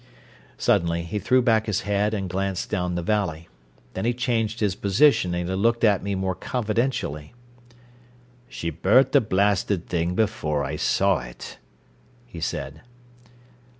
Suddenly he threw back his head and glanced down the valley. Then he changed his position and he looked at me more confidentially. "She burnt the blasted thing before I saw it," he said.